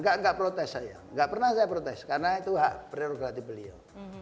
tidak protes saya tidak pernah saya protes karena itu hak prioritas beliau